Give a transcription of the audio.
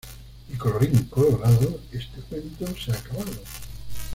Y colorín, colorado, este cuento se ha acabado